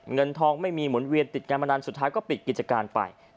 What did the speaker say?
เงินทองไม่มีหมุนเวียนติดการพนันสุดท้ายก็ปิดกิจการไป